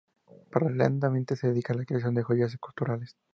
Paralelamente, se dedica a la creación de joyas-esculturas.